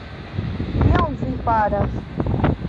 Kion vi faras?